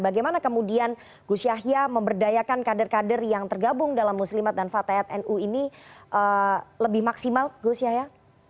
bagaimana kemudian gus yahya memberdayakan kader kader yang tergabung dalam muslimat dan fatayat nu ini lebih maksimal gus yahya